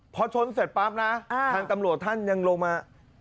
พอชนเสร็จปั๊บนะทางตำรวจท่านยังลงมา